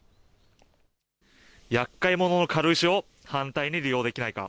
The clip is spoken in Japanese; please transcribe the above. やっかい者の軽石を反対に利用できないか。